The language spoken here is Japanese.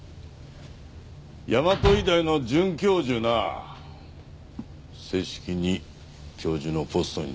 大和医大の准教授な正式に教授のポストに就いたそうだ。